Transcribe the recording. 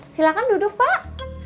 silahkan duduk pak